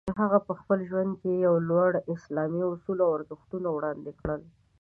هغه په خپل ژوند کې یو لوړ اسلامي اصول او ارزښتونه وړاندې کړل.